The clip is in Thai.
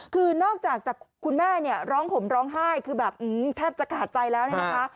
คือนอกจากคุณแม่ร้องห่มร้องไห้แทบจะขาดใจแล้วนะคะ